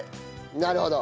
なるほど。